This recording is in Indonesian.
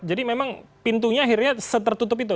memang pintunya akhirnya setertutup itu